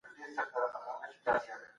تاسي باید خپلې هیلې په عمل کي ثابتي کړئ.